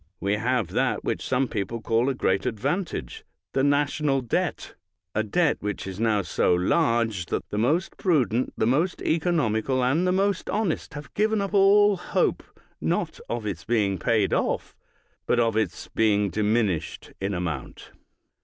We have that which some people call a great advantage — the national debt — a debt which is now so large IV— IS 225 THE WORLD'S FAMOUS ORATIONS that the most prudent, the most economical, and the most honest have given up all hope, not of its being paid off, but of its being diminished in amount.